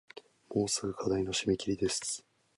もうすぐ課題の締切です